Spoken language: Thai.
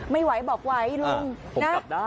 ไม่ไหวต่อว่า